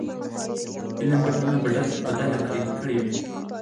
علم به ټولنه بدله کړې وي.